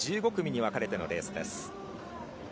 １５組に分かれてのレースです。